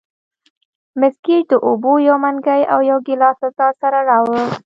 مس ګېج د اوبو یو منګی او یو ګیلاس له ځان سره راوړ.